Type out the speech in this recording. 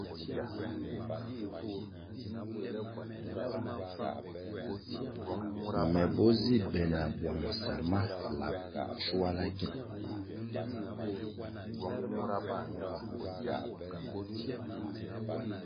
Me bo zi be na bwangʼsa ma lab shuala gina.